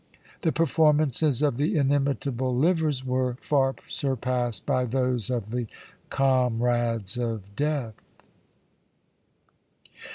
The performances of the 'Inimitable Livers' were far surpassed by those of the 'Comrades of Death'."